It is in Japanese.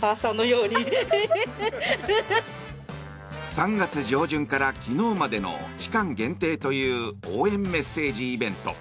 ３月上旬から昨日までの期間限定という応援メッセージイベント。